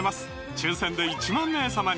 抽選で１万名様に！